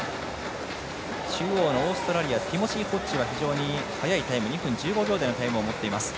中央のオーストラリアティモシー・ホッジが非常に速いタイム２分１５秒台のタイムを持っています。